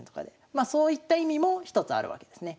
まあそういった意味も一つあるわけですね。